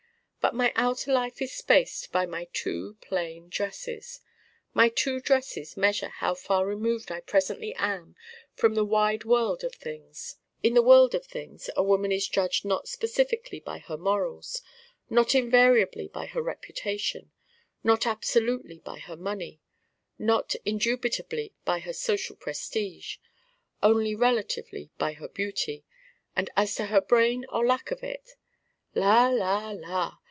But my outer life is spaced by my Two plain Dresses. My Two Dresses measure how far removed I presently am from the wide world of things. In the world of things a woman is judged not specifically by her morals: not invariably by her reputation: not absolutely by her money: not indubitably by her social prestige: only relatively by her beauty: and as to her brain or lack of it la la la!